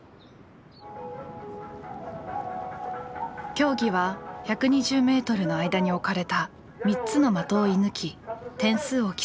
競技は１２０ｍの間に置かれた３つの的を射ぬき点数を競います。